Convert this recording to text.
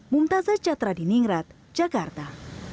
pembuatan trotoar di jakarta